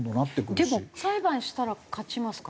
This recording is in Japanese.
でも裁判したら勝ちますか？